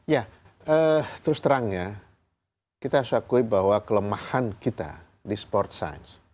ya terus terangnya kita harus akui bahwa kelemahan kita di sport science